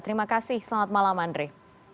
terima kasih selamat malam andre